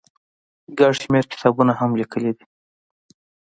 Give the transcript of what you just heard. ګڼ شمېر کتابونه هم ليکلي دي